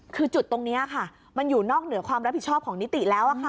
คือจุดตรงนี้ค่ะมันอยู่นอกเหนือความรับผิดชอบของนิติแล้วค่ะ